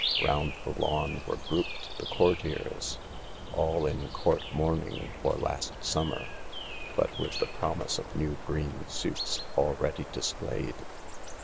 Round the lawn were grouped the courtiers * all in court mourning for last summer, but with the promiae of new green suits already displayed.